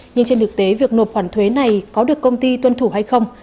nhưng trên thực tế việc nộp khoản thuế này có được công ty tuân thủ hay không